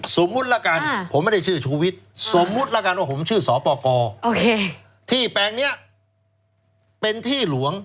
สมมุติละกันผมไม่ได้ชื่อชูวิทย์สมมุติแล้วกันว่าผมชื่อสปกรที่แปลงนี้เป็นที่หลวง